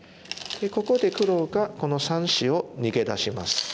でここで黒がこの３子を逃げ出します。